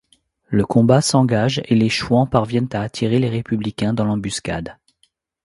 Le combat s'engage et les Chouans parviennent à attirer les républicains dans l'embuscade.